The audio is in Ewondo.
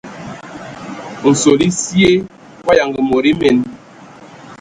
Nsol esye wa yanga mod emen.